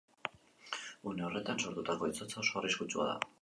Une horretan sortutako izotza oso arriskutsua da.